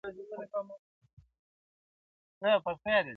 • هره ټولنه خپل رازونه لري او پټ دردونه هم,